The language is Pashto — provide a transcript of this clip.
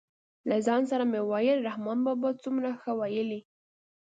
له ځان سره مې ویل رحمان بابا څومره ښه ویلي.